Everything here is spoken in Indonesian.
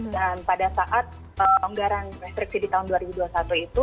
dan pada saat pelonggaran restriksi di tahun dua ribu dua puluh satu itu